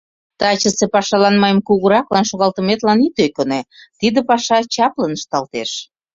Тачысе пашалан мыйым кугураклан шогалтыметлан от ӧкынӧ, тиде паша чаплын ышталтеш.